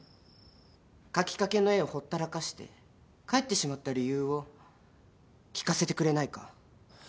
描きかけの絵をほったらかして帰ってしまった理由を聞かせてくれないか？